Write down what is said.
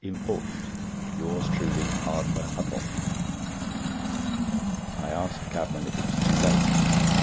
Important. Yours truly, Hardfur Huttle." I asked the cabman if it was too late.